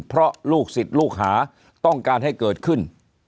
เพราะลูกศิษย์ลูกหาต้องการให้เกิดขึ้น